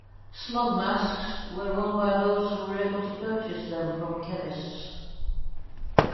"Smog masks" were worn by those who were able to purchase them from chemists.